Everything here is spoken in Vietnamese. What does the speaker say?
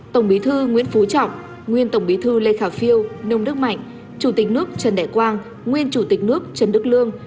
tổng bí thư nguyễn phú trọng nguyên tổng bí thư lê khả phiêu nông đức mạnh chủ tịch nước trần đại quang nguyên chủ tịch nước trần đức lương